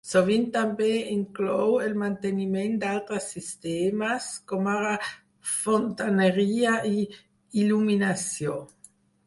Sovint també inclou el manteniment d'altres sistemes, com ara fontaneria i il·luminació.